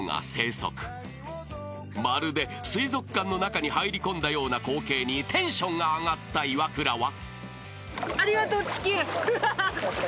［まるで水族館の中に入りこんだような光景にテンションが上がったイワクラは］